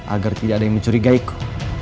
agar tidak ada yang mencurigaiku